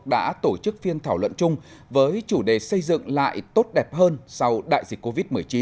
đã tổ chức phiên thảo luận chung với chủ đề xây dựng lại tốt đẹp hơn sau đại dịch covid một mươi chín